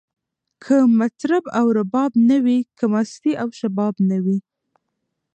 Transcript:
که مطرب او رباب نه وی، که مستی او شباب نه وی